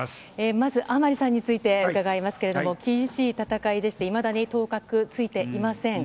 まず、甘利さんについて伺いますけれども、厳しい戦いでして、いまだに当確、ついていません。